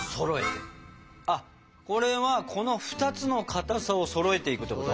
これはこの２つのかたさをそろえていくってこと？